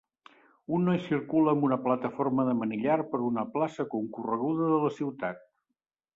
Un noi circula amb una plataforma de manillar per una plaça concorreguda de la ciutat.